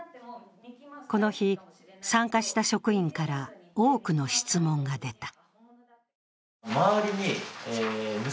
この日参加した職員から多くの質問が出た。